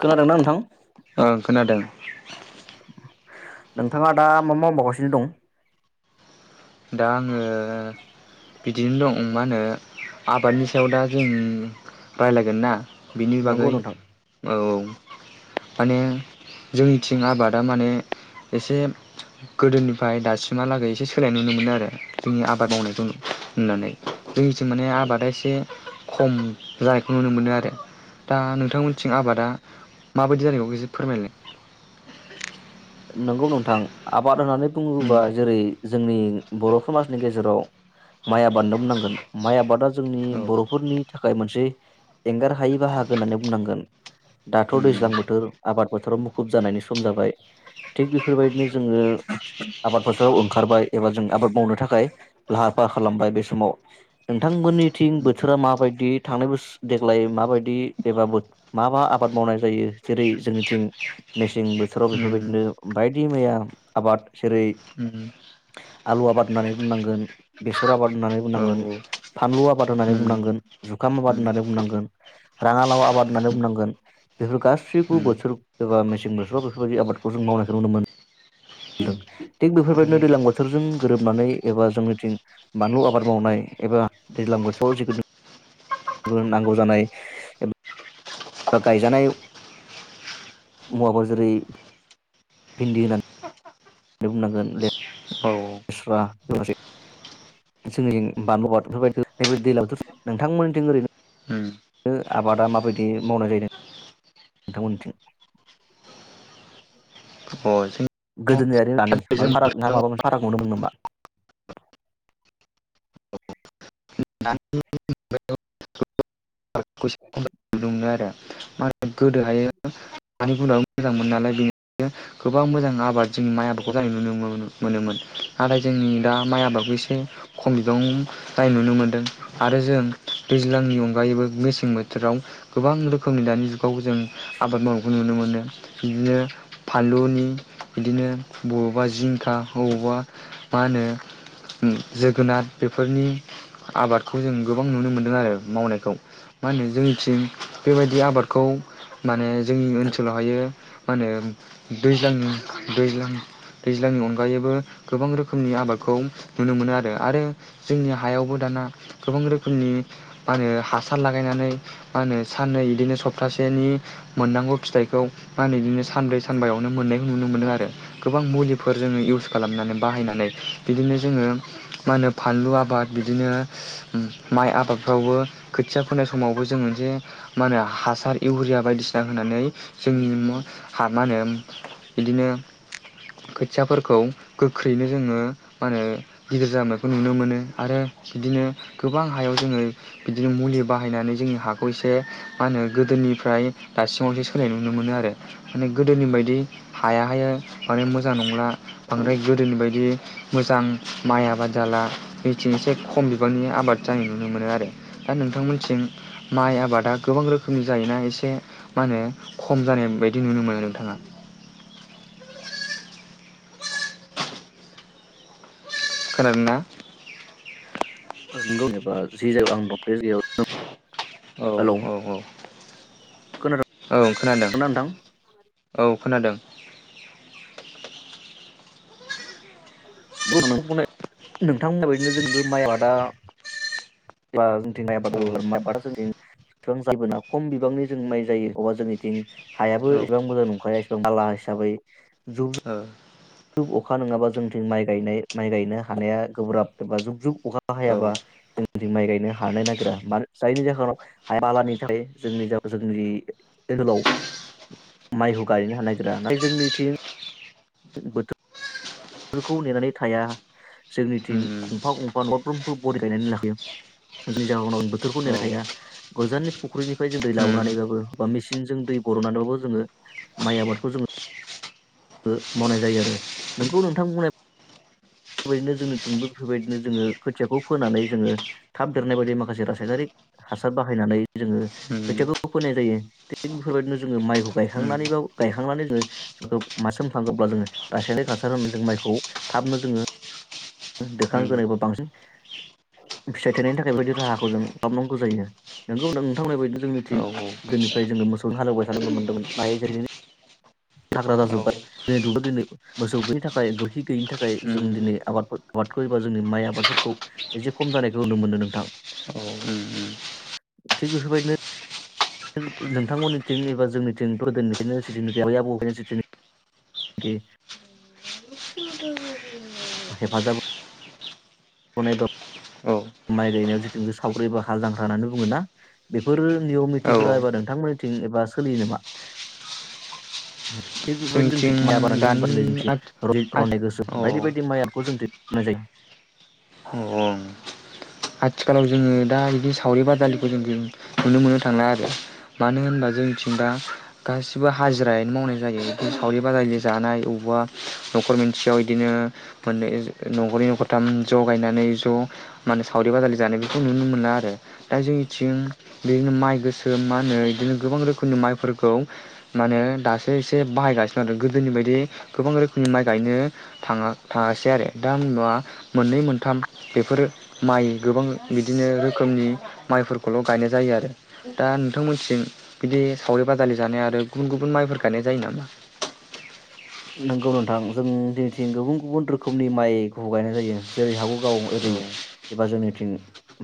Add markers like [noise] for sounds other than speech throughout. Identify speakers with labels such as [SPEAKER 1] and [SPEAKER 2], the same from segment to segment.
[SPEAKER 1] खोनादोंना नोंथां
[SPEAKER 2] ओं खोनादों।
[SPEAKER 1] नोंथाङा दा मा मावबावगासिनो दं?
[SPEAKER 2] दा आङो बिदिनो दं ओम मा होनो आबादनि सायाव दा जों रायलायगोन ना। बिनि बागै
[SPEAKER 1] नंगौ नोंथां
[SPEAKER 2] औ औ माने जोंनिथिं आबादा माने एसे गोदोनिफाय दासिमहालागै एसे सोलाय नुनो मोनो आरो जोंनि आबाद मावनायखौ। होननानै जोंनिथिं माने
[SPEAKER 1] औ
[SPEAKER 2] आबादा एसे खम जानायखौ नुनो मोनो आरो दा नोंथांमोनथिं आबादा माबायदि जानायखौ एसे फोरमायलाय।
[SPEAKER 1] नंगौ नोंथां आबाद होनानै
[SPEAKER 2] उम
[SPEAKER 1] बुङोबा जेरै जोंनि बर' समाजनि गेजेराव माइ आबादनो बुंनांगोन माइ आबादा जोंनि
[SPEAKER 2] औ
[SPEAKER 1] बर'फोरनि थाखाय मोनसे एंगार हायि बाहागो होननानै बुंनांगोन। दाथ'
[SPEAKER 2] उम
[SPEAKER 1] दैज्लां बोथोर आबाद फोथाराव मुखुब जानायनि सम जाबाय। थिग बेफोरबायदिनो जोङो आबाद फोथाराव ओंखारबाय एबा जों आबाद मावनो थाखाय लाहार फाहार खालामबाय बे समाव नोंथांमोननिथिं
[SPEAKER 2] उम
[SPEAKER 1] बोथोरा माबायदि थांनाय बोस-देग्लाय माबायदि एबा बो मा मा आबाद मावनाय जायो जेरै जोंनिथिं मेसें बोथो फोराव
[SPEAKER 2] उम
[SPEAKER 1] बेफोरबायदिनो बायदि मैया आबाद जेरै
[SPEAKER 2] उम
[SPEAKER 1] आलु आबाद ओननानै बुंनांगोन बेसर आबाद ओननानै
[SPEAKER 2] औ
[SPEAKER 1] बुंनांगोन
[SPEAKER 2] औ
[SPEAKER 1] फानलु आबाद ओननानै
[SPEAKER 2] उम
[SPEAKER 1] बुंनांगोन जुखाम आबाद
[SPEAKER 2] उम
[SPEAKER 1] ओननानै बुंनांगोन राङालाव आबाद
[SPEAKER 2] औ अ
[SPEAKER 1] ओननानै बुंनांगोन बेफोर गासैखौबो बोथोर एबा मेसें बोथोराव फोरि आबादखौ जों मावनायखौ नुनो मोनदों थिग बेफोरबायदिनो दैलां बोथोरजों गोरोबनानै एबा जोंनिथिं बानलु आबाद मावनाय एबा दैज्लां बोथोराव जिखुनु नांगौ जानाय एबा बा गायजानाय मुवाबो जेरै भिन्दि होनानै बुंनांगोन ले स्रा जोंनि बानलु [unintelligible] नोंथांमोननिथिं ओरैनो आबादा माबायदि मावनाय जादों नोंथांमोननिथिं। गोदोनियारि आरो दानि
[SPEAKER 2] जों
[SPEAKER 1] माबा फाराग ना
[SPEAKER 2] नुनो
[SPEAKER 1] माबा मोनसे फाराग नुनो मोनदों नामा?
[SPEAKER 2] [unintelligible] मा होनो गोदोहायो हानि गुनाबो मोजांमोन नालाय बेनिखायनो गोबां मोजां आबाद जोंनि माइ आबाखौ जानाय [unintelligible] मोनोमोन नाथाय जोंनि दा माइ आबादखौ एसे खम बिबां जानाय नुनो मोन दों आरो जों दैज्लांनि अनगायैबो मेसें बोथोराव गोबां रोखोमनि दानि जुगाव जों आबाद मावनायखौ नुनो मोनो बिदिनो फानलुनि- बिदिनो बबावबा जिंखा हबावबा मा होनो जोगोनार बेफोरनि आबादखौ जों गोबां नुनो मोनदों आरो मावनायखौ। मा होनो जोंनिथिं बेबायदि आबादखौ माने जोंनि ओनसोलावहायो मा होनो दैज्लांनि दैज्लां दैज्लांनि अनगायैबो गोबां रोखोमनि आबादखौ नुनो मोनो आरो आरो। जोंनि हायावबो दाना गोबां रोखोमनि मा होनो हासा सार लागायनानै मा होनो साननै इदिनो सप्तासेनि मोननांगौ फिथाइखौ मा होनो बिदिनो सानब्रै सानबायावनो मोननाय नुनो मोनो आरो गोबां मुलिफोर जोङो इउस खालामनानै बाहायनानै बिदिनो जोङो मा होनो फानलु आबाद बिदिनो माइ आबादफ्रावबो खोथिया फोनाय समावबो जोंङो जे मा होनो हासार इउरिया बायदिसिना होनानै जोंनि म मा होनो बिदिनो खोथियाफोरखौ गोख्रैनो जोङो मा होनो गिदिर जोननायखौ नुनो मोनो आरो बिदिनो गोबां हायाव जोङो बिदिनो मुलि बाहायनानै जोंनि हाखौ एसे मा होनो गोदोनिफ्राय दासिमाव जेसा होनाय नुनो मोनो आरो माने गोदोनि बायदि हायाहाययो माने मोजां मोजां नंला बांद्राय गोदोनि बायदि मोजां माइ आबाद जाला मिथिनोसै खम बिबांनि आबाद जानाय नुनो मोनो आरो। दा नोंथांमोनथिं माइ आबादा गोबां रोखोमनि जायोना एसे मा होनो खम जानाय बायदि नुनो मोनो नोंथाङा। खोनादों ना।
[SPEAKER 1] नंगौ एबा जि जायगायाव आं दं बे जायगायाव।
[SPEAKER 2] औ
[SPEAKER 1] हेलौ
[SPEAKER 2] औ औ औ खोनादों
[SPEAKER 1] खोनादोंना
[SPEAKER 2] औ। खोनादों।
[SPEAKER 1] बुं नोंथां बुंनाय नोंथांमोन बायदिनो जोंबो माइ आबादा ग्ला जों [unintelligible]
[SPEAKER 2] औ
[SPEAKER 1] बिबां जायोबोना खम बिबांनि जों माइ जायो अबा जोंनिथिं हायाबो
[SPEAKER 2] औ
[SPEAKER 1] एसेबां
[SPEAKER 2] ओ
[SPEAKER 1] मोजां नंखाया बाला हिसाबै जुब
[SPEAKER 2] ओ।
[SPEAKER 1] जुब अखा नङाबा जोंथिं माइ गायनाय माइ गायनो हानाया गोब्राब एबा जुग जुग। अखा हायाबा
[SPEAKER 2] औ
[SPEAKER 1] जों। जोंनिथिं माइ गायनो हानो नागिरा मानो जायनि जाहोनाव बालानि थाखाय जोंनि जागायाव‌ जोंनि ओहोलाव माइखौ गायनो हानो नागिरा जोंनिथिं बोथोरखौ नेनानै थाया। जोंनिथिं
[SPEAKER 2] उम
[SPEAKER 1] गंफा गंफा नफ्रोमबो बरिं गायनानै लाखयो जोंनि जायगायाव बोथोरखौ
[SPEAKER 2] औ
[SPEAKER 1] नेना थाया गोजाननि फुख्रिनिफ्राय जों दै
[SPEAKER 2] उम
[SPEAKER 1] लाावनानैबाबो बा मेसिन बिदिनो जों दै बर'ननानैबाबो जोङो माइ आबादखौ जोङो ओ मावनाय जायो आरो नोंखौ नोंथां बुंनाय बेफोरबायदिनो जोंनिथिंबो बेफोरबायदिनो जोङो खोथियाखौ फोनानै जोङो थाब देरनाय बायदि माखासे रासायनारिक हासार बाहायनानै जोङो
[SPEAKER 2] उम
[SPEAKER 1] खोथियाखौ फोनाय जायो थिग बेफोरबायदिनो जोङो माइखौ
[SPEAKER 2] उम
[SPEAKER 1] गायखांनानै बा गायखांनानै जोङो मासेम थांखो अब्ला जोङो रासायनारिक हासार होनानै जों माइखौ थाबनो जोङो दोखां
[SPEAKER 2] उम
[SPEAKER 1] ग्रोनो बा बांसिन फिथाइ थायनायनि थाखाय बेायदि राहाखौ जों खालामनांगौ जायो नोंगौ नोंथांमोननि बायदिनो जोंनिथिं
[SPEAKER 2] औ औ
[SPEAKER 1] दिनैफ्राय जोङो मोसौ हालेवबाय थानांगौमोन मोनदोंमोन दायो जेरै जोंनो हाग्रा
[SPEAKER 2] उम औ
[SPEAKER 1] जाजोब्बाय दिनै दुब्लि दिनै मोसौ गैयिनि थाखाय गोबोरखि गैयिनि थाखाय जों
[SPEAKER 2] उम
[SPEAKER 1] दिनै आबादफोर आबादखौ एबा जोंनि माइ आबादफोरखौ एसे खम जानायखौ नुनो मोनो नोंथां। थिग बेफोर बायदिनो होन नोंथांमोननिथिं एबा जोंनिथिं [unintelligible] नुफेराखै आबै आबौनि जेथुनाखि हेफाजाब अनाय बाब
[SPEAKER 2] उम औ
[SPEAKER 1] माइ गायनायाव जिथुनाखि सावरि एबा हाल जांख्रा होननानै बुङो ना? बेफोर नियम निथिफोरा
[SPEAKER 2] औ
[SPEAKER 1] एबा नोंथांमोननिथिं एबा सोलियो नामा? थिग बेबायदि जोंनिथिं माइ आबाद बुंब्ला
[SPEAKER 2] दानि
[SPEAKER 1] रनजिद
[SPEAKER 2] आथ
[SPEAKER 1] बाय
[SPEAKER 2] आथ
[SPEAKER 1] रनाय गोसोम
[SPEAKER 2] अ
[SPEAKER 1] बायदि बायदि माइखौ जोंथिं मावनाय जायो।
[SPEAKER 2] अ ओं आथिखालाव जोङो दा बिदि सावरि बादालिखौ जों नुनो मोननो थांला आरो मानो होनबा जोंथिं दा गासिबो हाजिरायानो मावनाय जायो बिदिनो सावरि बादालि जानाय अबा न'खर मोनसेयाव इदिनो मोननै न'खरनै न'खरथाम ज' गायनानै ज' माने सावरि बादालि जानाय बेखौ नुनो मोना आरो दा जोंनिथिं बिदिनो माइ गोसोम मा होनो बिदिनो गोबां रोखोमनि माइफोरखौ मा होनो दासो एसे बाहायगासिनो आरो गोदोनि बायदि गोबां रोखोमनि माइ गायनो थाङा थाङासै आरो दा नुआ मोननै मोनथाम बेफोरो माइ गोबां बिदिनो रोखोमनि माइफोरखौल' गायनाय जायो आरो दा नोंथांमोनथिं बिदि सावरि बादालि जानाय आरो गुबुन गुबुन माइफोर गायनाय जायो नामा?
[SPEAKER 1] नोंगौ नोंथां जों दिनैथिं गुबुन गुबुन रोखोमनि माइखौ गायनाय जायो जेरै हागौ गाव ओरै एबा जोंनिथिं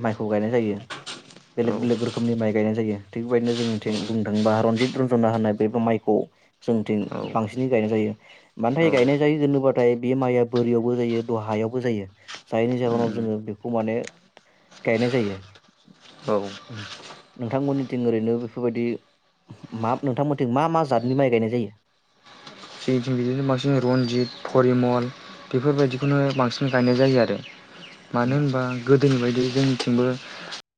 [SPEAKER 1] माइखौ गायनाय जायो
[SPEAKER 2] औ
[SPEAKER 1] बेलेग बेलेग रोखोमनि माइ गायनाय जायो थिग बेबायदिनो जोंनिथिं बुंनो थाङोबा रन्जित रन्जना होननाय बे माइखौ जोंथिं
[SPEAKER 2] औ
[SPEAKER 1] बांसिनै गायनाय जायो। मानो
[SPEAKER 2] औ
[SPEAKER 1] थाखाय गायनाय जायो होनोबाथाय बे माइआ बोरियावबो जायो दहायावबो जायो जायनि जाहोनाव जोङो बेखौ माने गायनाय जायो
[SPEAKER 2] औ
[SPEAKER 1] उम नोंथांमोननिथिं ओरैनो बेफोरबायदि मा नोंथांमोनथिं मा मा जातनि माइ गायनाय जायो?
[SPEAKER 2] जोंथिं बिदिनो बांसिन रनजित फरिमल बेफोरबायदिखौनो बांसिन गायनाय जायो आरो। मानो
[SPEAKER 1] जायो
[SPEAKER 2] होनबा गोदोनि बायदि जों थिंबो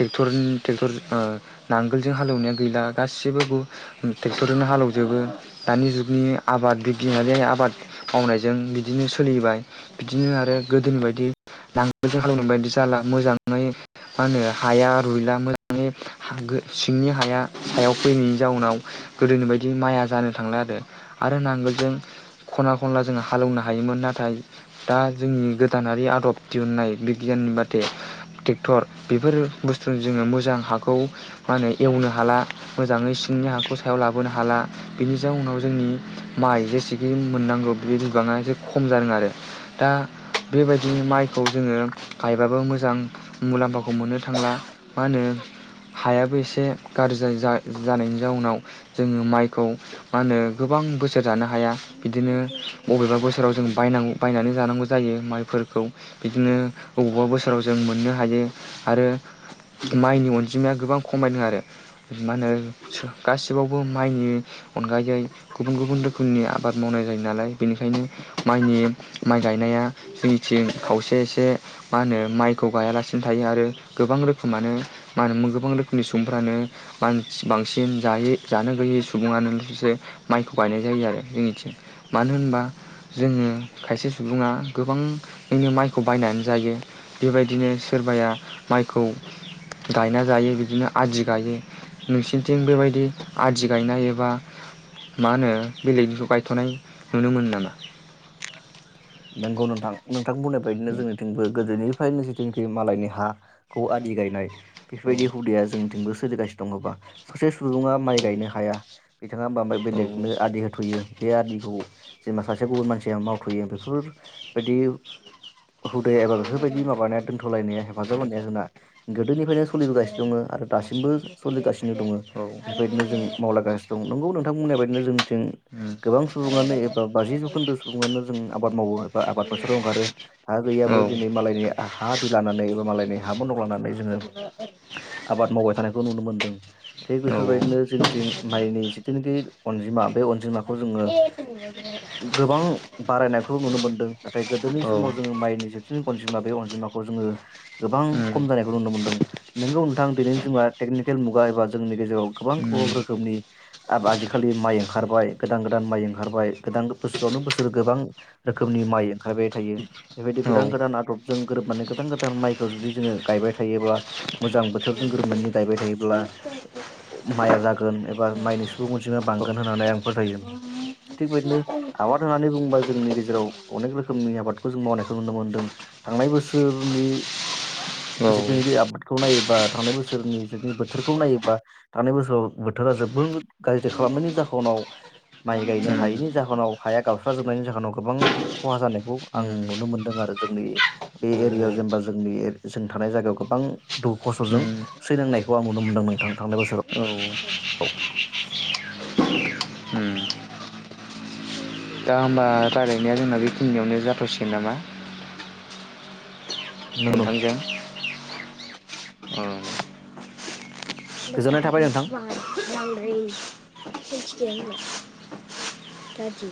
[SPEAKER 2] टेक्टर टेक्टर ओ नांगोलजों हालेवनाया गैला गासैबो टेक्टरजोंनो हालेवजोबो दानि जुगनि आबाद [unintelligible] आबाद मावनायजों बिदिनो सोलिबाय बिदिनो आरो गोदोनि बायदि नांगोलजों हालेवनाय बायदि जाला मोजाङै मा होनो हाया रुइला मोजाङै सिंनि हाया हायाव फैनायनि जाउनाव गोदोनि बायदि माइया जानो थांला आरो। आरो नांगोलजों खना खनला जोंङो हालौनो हायोमोन नाथाय दा जोंनि गोदानारि आदब दिहुन्नाय बिगियाननि बाथे टेक्टर बेफोर बुस्थु जोङो मोजां हाखौ माने एवनो हाला मोजाङै सिंनि हाखौ सायाव लाबोनो हाला बेनि जाउनाव जोंनि माइ जेसेखि मोननांगौ बे बिबाङा एसे खम जादों आरो दा बेबायदि माइखौ जोङो गायबाबो मोजां मुलाम्फाखौ मोननो थांला मा होनो हायाबो एसे गाज्रि जा-जानायनि जाउनाव जोङो माइखौ मा होनो गोबां बोसोर जानो हाया बिदिनो बबेबा बोसोराव जों बायनांगौ बायनानै जानांगौ जायो माइफोरखौ बिदिनो बबेबा बोसोराव जों मोननो हायो आरो माइनि अनजिमाया गोबां खमायदों आरो मा होनो गासिबावबो माइनि अनगायै गुबुन गुबुन रोखोमनि आबाद मावनाय जायो नालाय बेनिखायनो माइनि माइ गायनाया जोंनिथिं खावसे एसे मा होनो माइखौ गायालासिनो थायो आरो गोबां रोखोमानो मा होनो गोबां रोखोमनि सुबुंफ्रानो बांसिन जान जानो गैयै सुबुङानो माइखौ गायनाय जायो आरो जोंनिथिं मानो होनबा जोङो खायसे सुबुङा गोबांनो माइखौ बायनानै जायो बेबायदिनो सोरबाया माइखौ गायना जायो बिदिनो आदि गायो नोंसिनिथिं बेबायदि आदि गायनाय एबा मा होनो बेलेगखौ गायथ'नाय नुनो मोनो नामा?
[SPEAKER 1] नोंगौ नोंथां नों बिथां बुंनाय बायदिनो जोंनिथिंबो गोदोनि फ्रायनो जिथिंखि मालायनि हाखौ आदि गायनाय
[SPEAKER 2] औ
[SPEAKER 1] बेफोरबायदि हुदाया जोंनिथिंबो सो - सोलिगासिनो दङबा सासे सुबुङा माइ गायनो हाया बिथाङा बाय
[SPEAKER 2] औ
[SPEAKER 1] बेलेगनो आदि होथ'यो। बे आदिखौ जेनबा सासे गुबुन मानसिया माव फुयो बेफोरबायदि हुदाया एबा बेफोरबायदि माबानाया दोन्थ'लायनाया हेफाजाब होननाया जोंना गोदोनिफ्रायनो सलिबोगासिनो दङ आरो दासिमबो सलिगासिनो दङ
[SPEAKER 2] औ
[SPEAKER 1] बेफोरबायदिनो जों मावलायगासिनो दं नंगौ नोंथांमोननि बायदिनो जोंथिं गोबां सुबुङानो एबा बाजि जौखोन्दो सुबुङानो उम आबाद मावो एबा आबाद फोथोराव ओंखारो आरो बो दिनै मालायनि हा आदि लानानै एबा मालायनि हा बन्द' लानानै जोङो आबाद मावबाय थानायखौ नुनो मोनदों। थिग
[SPEAKER 2] औ
[SPEAKER 1] बेफोरबायदिनो जोंथिं हारिनि जिथुनाखि अनजिमा बे अनजिमाखौ जोङो
[SPEAKER 2] [inaudible]
[SPEAKER 1] गोबां बारायनायखौ नुनो मोन्दों नाथाय गोदोनि
[SPEAKER 2] औ
[SPEAKER 1] समाव जोङो माइनि जथ नि अनजिमा बे अनजिमाखौ जोङो गोबां खम जानायखौ नुनो मोन्दों नोंगौ नोंथां दिनैनि समा टेकनिकेल मुगा एबा जोंनि गेजे राव गोबां गोबां रोखोमनि आबा आजिखालि माइ ओंखारबाय गोदान गोदान माइ ओंखारबाय गोदान बोसुआवनो बोस गोबां रोखोमनि माइ ओंखारबाय थायो। बेबायदि गोदान
[SPEAKER 2] औ
[SPEAKER 1] गोदान आदब जों गोरोबनानै गोदान गोदान माइखौ जुदि जोङो गायबाय थायोब्ला मोजां बोथोर जों गोरोबनानै गायबाय थायोब्ला माइया जागोन एबा माइनि सुबुं अनजिमा बांगोन होननानै आं फोथायो थिग बेबादिनो आबाद होननानै बुंबा जोंनि गेजेराव अनेक रोखोमनि आबादखौ जों मावनायखौ नुनो मोनदों थांनाय बोसोरनि जिथुनाखि आबादखौ नायोबा थांनाय बोसोरनि जिुदनि बोथोरखौ नायोबा थांनाय बोसोराव बोथोरा जोबोद गाज्रि खालामनायनि जाहोनाव माइ गायनो हायैनि जाहोनाव हाया गाबस्राजोबनायनि जाहोनाव गोबां खहा जानायखौ आं नुनो मोनदों आरो जोंनि बे एरिआव जेनेबा जोंनि एर जों थानाय जायगायाव गोबां दुखु खस्थ'जों सैनांनायखौ आं नुनो मोनदों नोंथां थांनाय बोसोराव
[SPEAKER 2] दा होमबा रायलाइनाया जोंना बेखिनिआवनो जाथ'सिगोन नामा?
[SPEAKER 1] नोंगौ
[SPEAKER 2] नोंथांजों ओं [unintelligible]
[SPEAKER 1] गोजोननाय थाबाय नोंथां
[SPEAKER 2] बांद्राय दादि